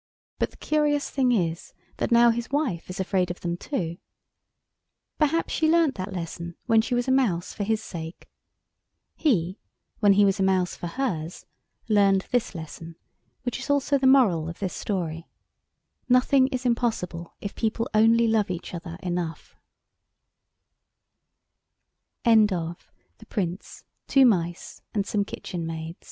But the curious thing is that now his wife is afraid of them too. Perhaps she learnt that lesson when she was a mouse for his sake. He, when he was a mouse for hers, learned this lesson, which is also the moral of this story: "Nothing is impossible if people only love each oth